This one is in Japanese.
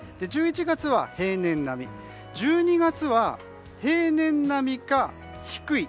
１１月は平年並み１２月は平年並みか低い。